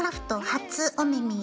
初お目見え。